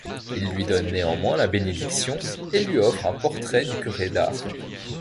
Il lui donne néanmoins la bénédiction et lui offre un portrait du curé d'Ars.